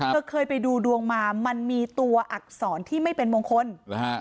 เธอเคยไปดูดวงมามันมีตัวอักษรที่ไม่เป็นมงคล